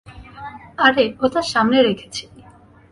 আরে ওটা সামনে রেখেছি।